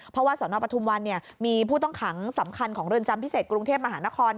เพราะว่าสนปทุมวันมีผู้ต้องขังสำคัญของเรือนจำพิเศษกรุงเทพมหานคร